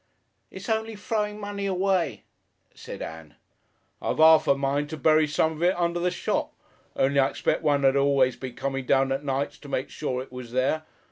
"It's only frowing money away," said Ann. "I'm 'arf a mind to bury some of it under the shop. Only I expect one 'ud always be coming down at nights to make sure it was there....